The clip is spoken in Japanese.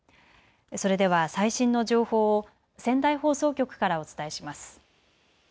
それでは最新の情報を仙台放送局からお伝えします。